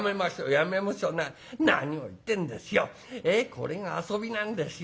これが遊びなんですよ。